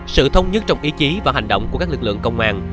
sự thông nhất trong ý chí và hành động của các lực lượng công an